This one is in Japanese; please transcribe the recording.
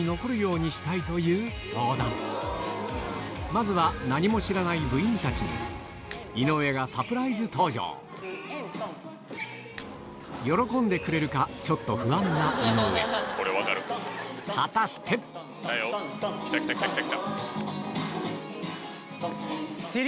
まずは何も知らない部員たちに井上がサプライズ登場喜んでくれるかちょっと不安な井上果たして⁉来たよ来た来た来た！